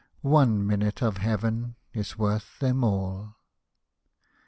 One minute of Heaven is worth them all